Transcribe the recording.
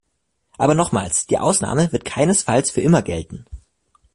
Aber nochmals, die Ausnahme wird keinesfalls für immer gelten.